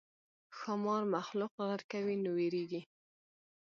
ښامار مخلوق غرقوي نو وېرېږي.